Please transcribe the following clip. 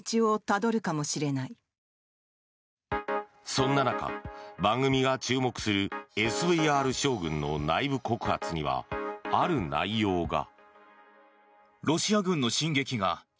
そんな中、番組が注目するＳＶＲ将軍の内部告発にはある内容が。